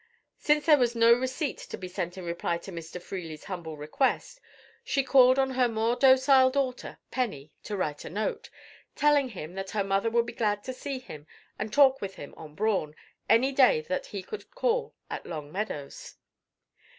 Since there was no receipt to be sent in reply to Mr. Freely's humble request, she called on her more docile daughter, Penny, to write a note, telling him that her mother would be glad to see him and talk with him on brawn, any day that he could call at Long Meadows.